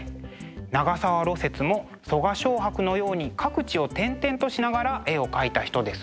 長沢雪も我蕭白のように各地を転々としながら絵を描いた人ですね。